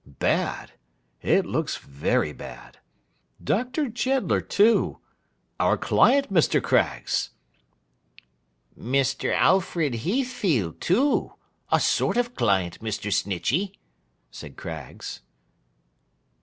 Bad? It looks very bad. Doctor Jeddler too—our client, Mr. Craggs.' 'Mr. Alfred Heathfield too—a sort of client, Mr. Snitchey,' said Craggs.